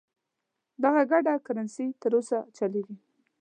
دغه ګډه کرنسي تر اوسه چلیږي.